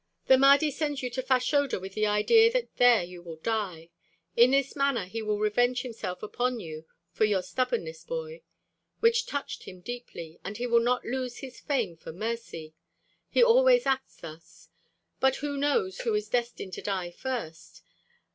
"The Mahdi sends you to Fashoda with the idea that there you will die. In this manner he will revenge himself upon you for your stubbornness, boy, which touched him deeply, and he will not lose his fame for 'mercy.' He always acts thus. But who knows who is destined to die first?